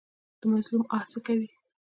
د مظلوم آه څه کوي؟